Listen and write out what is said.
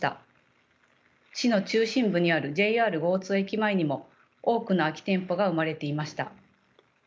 市の中心部にあるＪＲ江津駅前にも多くの空き店舗が生まれていました。